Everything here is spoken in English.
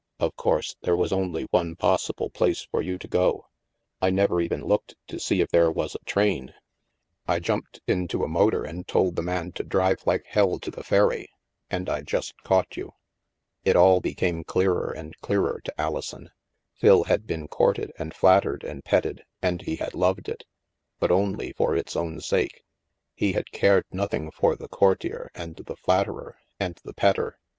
Of course, there was only one possible place for you to go. I never even looked to see if there was a train. I 266 THE MASK jumped into a motor and told the man to drive like Hell to the ferry, and I just caught you.'' It all became clearer and clearer to Alison. Phil had been courted and flattered and petted and he had loved it — but only for its own sake. He had cared nothing for the courtier and the flatterer and the petter.